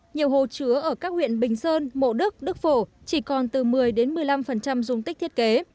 nhiều hồ chứa ở các huyện bình sơn mộ đức đức phổ chỉ còn từ một mươi một mươi năm dung tích thiết kế